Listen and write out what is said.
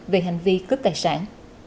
về hành vi cướp tài sản